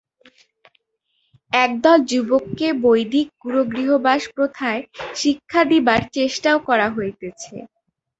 একদল যুবককে বৈদিক গুরুগৃহবাস প্রথায় শিক্ষা দিবার চেষ্টাও করা হইতেছে।